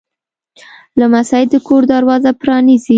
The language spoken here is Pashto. لمسی د کور دروازه پرانیزي.